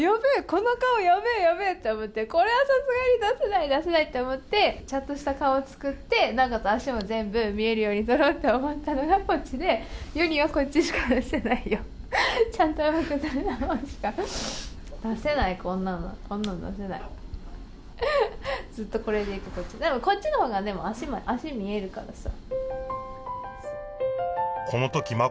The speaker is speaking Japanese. この顔ヤベえヤベえ」って思って「これはさすがに出せない出せない」って思ってちゃんとした顔をつくってなおかつ脚も全部見えるように撮ろうって思ったのがこっちで世にはこっちしか見せないよちゃんとうまく撮れた方しか出せないこんなのこんなん出せないずっとこれでいくでもこっちの方が脚見えるからさ